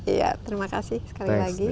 iya terima kasih sekali lagi